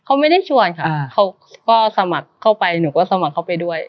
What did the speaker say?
เขาไม่ได้ชวนค่ะเขาก็สมัครเข้าไปหนูก็สมัครเข้าไปด้วย